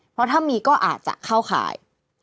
เพราะถ้ามีก็อาจจะเข้าข่าย